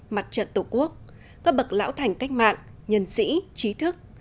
mặt trận tổ quốc các bậc lão thành cách mạng nhân sĩ trí thức